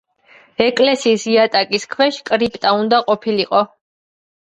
ეკლესიის იატაკის ქვეშ კრიპტა უნდა ყოფილიყო.